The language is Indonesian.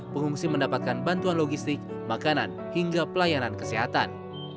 pengungsi mendapatkan bantuan logistik makanan hingga pelayanan kesehatan